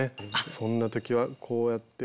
そんな時はこうやって。